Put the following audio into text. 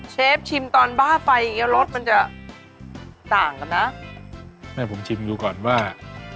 เชฟชิมตอนบ้าไฟอย่างเงี้รสมันจะต่างกันนะแม่ผมชิมดูก่อนว่า